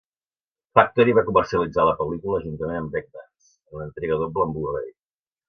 Factory va comercialitzar la pel·lícula juntament amb "Breakdance " en una entrega doble en Blu-ray.